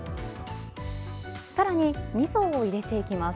さらに、みそを入れていきます。